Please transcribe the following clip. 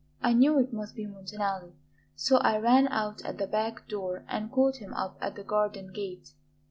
I knew it must be Montanelli; so I ran out at the back door and caught him up at the garden gate.